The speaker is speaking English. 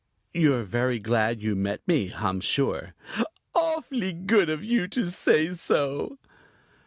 "You're very glad you met me, I'm sure." "Awfully good of you to say so."